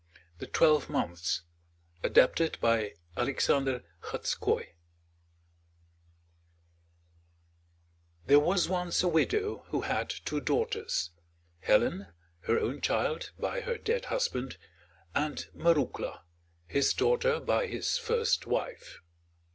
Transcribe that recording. THE TWELVE MONTHS ADAPTED BY ALEXANDER CHODSKO There was once a widow who had two daughters, Helen, her own child by her dead husband, and Marouckla, his daughter by his first wife.